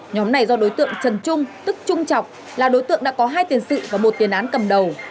nhóm này do đối tượng trần trung tức trung trọng là đối tượng đã có hai tiền sự và một tiền án cầm đầu